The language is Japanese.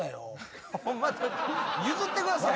譲ってください。